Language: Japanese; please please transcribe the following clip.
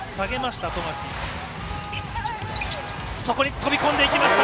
飛び込んでいきました。